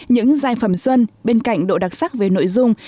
những giải phẩm xuân bên cạnh độ đặc sắc về nội dung